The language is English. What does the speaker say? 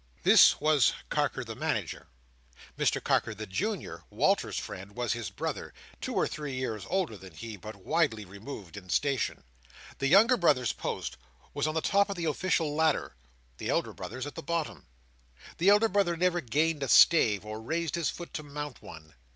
This was Carker the Manager. Mr Carker the Junior, Walter's friend, was his brother; two or three years older than he, but widely removed in station. The younger brother's post was on the top of the official ladder; the elder brother's at the bottom. The elder brother never gained a stave, or raised his foot to mount one.